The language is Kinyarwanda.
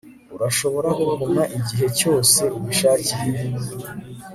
urashobora kuguma igihe cyose ubishakiye